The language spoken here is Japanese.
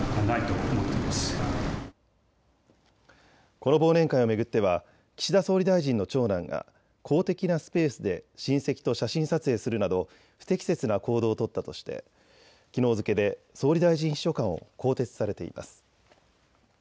この忘年会を巡っては岸田総理大臣の長男が公的なスペースで親戚と写真撮影するなど不適切な行動を取ったとしてきのう付けで総理大臣秘書官を更迭されています。